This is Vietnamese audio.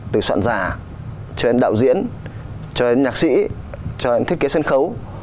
từ soạn giả cho anh đạo diễn cho anh nhạc sĩ cho anh thiết kế sân khấu